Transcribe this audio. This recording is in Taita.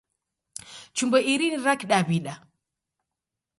Chumbo iri ni ra Kidaw'ida.